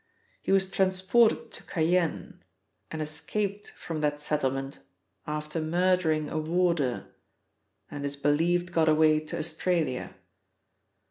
He was transported to Cayenne, and escaped from that settlement after murdering a warder, and it is believed got away to Australia.